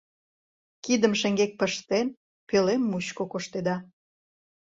Кидым шеҥгек пыштен, пӧлем мучко коштеда.